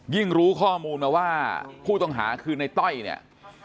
รู้ข้อมูลมาว่าผู้ต้องหาคือในต้อยเนี่ย